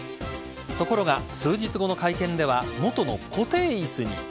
ところが数日後の会見では元の固定椅子に。